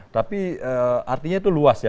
tapi artinya itu luas ya